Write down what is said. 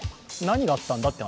何があったんだ？